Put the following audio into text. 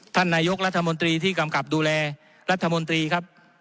ท่านนายกรัฐมนตรีที่กำกับดูแลรัฐมนตรีครับ